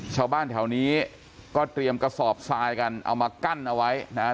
ชาวบ้านแถวนี้ก็เตรียมกระสอบทรายกันเอามากั้นเอาไว้นะฮะ